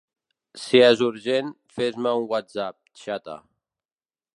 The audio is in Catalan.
Si és urgent, fes-me un whatsapp, xata.